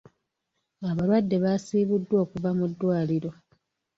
Abalwadde baasiibuddwa okuva mu ddwaliiro.